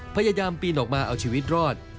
พยายามปีนออกมาเอาชีวิตรอด